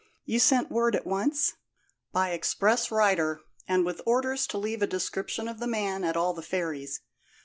You sent word at once?" "By express rider, and with orders to leave a description of the man at all the ferries.